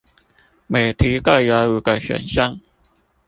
每題各有五個選項